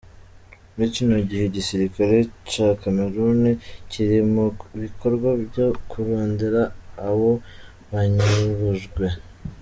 Muri kino gihe igisirikare ca Cameroun kiri mu bikorwa vyo kurondera abo banyurujwe.